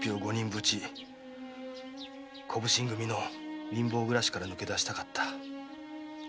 扶持小普請組の貧乏暮らしから抜け出したかった。